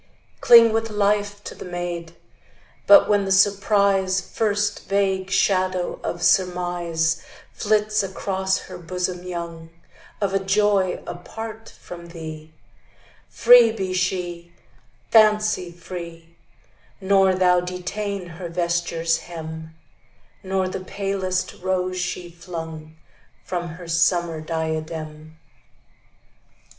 Cling with life to the maid; But when the surprise, First vague shadow of surmise Flits across her bosom young, Of a joy apart from thee, Free be she, fancy free; Nor thou detain her vesture's hem, Nor the palest rose she flung From her summer diadem.